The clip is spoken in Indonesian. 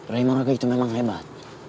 rey moraga itu memang hebat